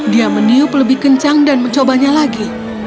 dia meniup lebih kencang dan mencobanya lagi